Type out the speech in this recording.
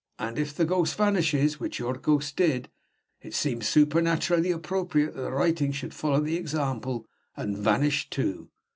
And if the ghost vanishes (which your ghost did), it seems supernaturally appropriate that the writing should follow the example and vanish too.